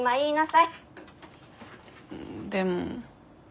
でも。